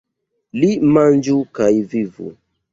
Li manĝu kaj vivu!